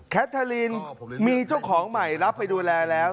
ทาลีนมีเจ้าของใหม่รับไปดูแลแล้ว